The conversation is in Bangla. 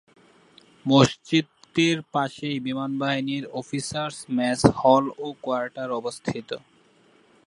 মসজিদটির পাশেই বিমানবাহিনী অফিসার্স মেস হল ও কোয়ার্টার অবস্থিত।